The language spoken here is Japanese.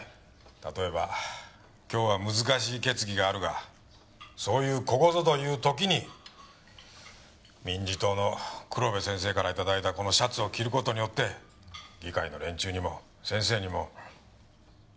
例えば今日は難しい決議があるがそういうここぞという時に民自党の黒部先生から頂いたこのシャツを着る事によって議会の連中にも先生にも。